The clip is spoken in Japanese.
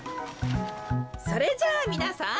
それじゃあみなさん